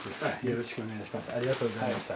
よろしくお願いします。